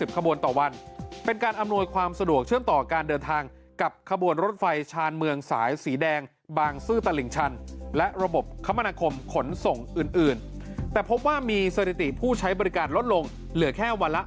ขบวนต่อวันเป็นการอำนวยความสะดวกเชื่อมต่อการเดินทางกับขบวนรถไฟชาญเมืองสายสีแดงบางซื่อตลิ่งชันและระบบคมนาคมขนส่งอื่นแต่พบว่ามีสถิติผู้ใช้บริการลดลงเหลือแค่วันละ